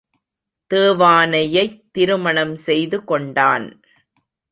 தேவானையைத் திருமணம் செய்து கொண்டான்.